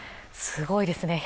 すごいですね。